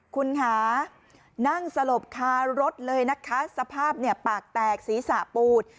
คุณค่ะนั่งสลบคารถเลยนะคะสภาพเนี่ยปากแตกศีรษะปูด